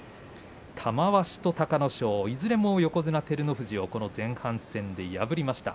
玉鷲、隆の勝、いずれも横綱照ノ富士をこの前半戦で破りました。